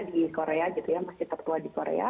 di korea gitu ya masih tertua di korea